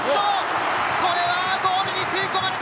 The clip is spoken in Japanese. これはゴールに吸い込まれた！